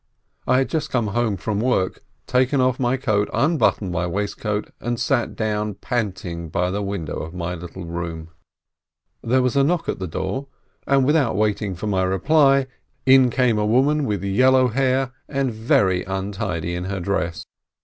I had just come home from work, taken off my coat, unbuttoned my waistcoat, and sat down panting by the window of my little room. There was a knock at the door, and without waiting for my reply, in came a woman with yellow hair, and very untidy in her dress.